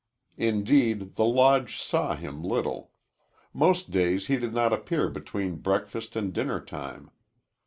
Indeed, the Lodge saw him little. Most days he did not appear between breakfast and dinner time.